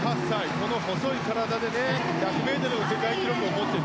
あの細い体で１００ｍの世界記録を持っている。